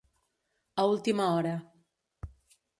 A última hora.